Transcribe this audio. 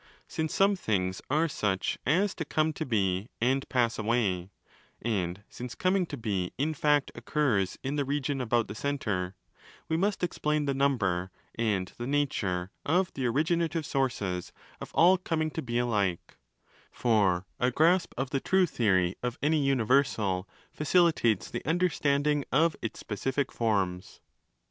Since some things are such as to come to be and pass 25 away, and since coming to be in fact occurs in the region about the centre, we must explain the zwmder and the nature of the 'originative sources' of all coming to be alike:1 for a grasp of the true theory of any universal facilitates the understanding of its specific forms.